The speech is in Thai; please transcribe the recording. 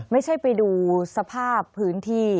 ไม่ใช่ไปดูสภาพพื้นที่